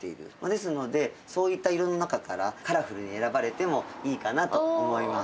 ですのでそういった色の中からカラフルに選ばれてもいいかなと思います。